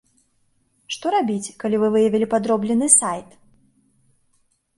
Што рабіць, калі вы выявілі падроблены сайт?